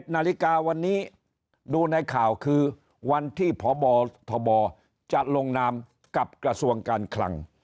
๑นาฬิกาวันนี้ดูในข่าวคือวันที่พบทบจะลงนามกับกระทรวงการคลัง